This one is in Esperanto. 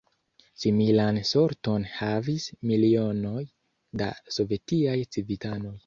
Similan sorton havis milionoj da sovetiaj civitanoj.